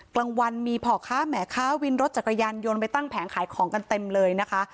กลางวันมีพ่อค้าแหมค้าวินรถจักรยานยนต์ไปตั้งแผงขายของกันเต็มเลยนะคะ